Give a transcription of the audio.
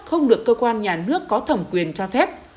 không được cơ quan nhà nước có thẩm quyền cho phép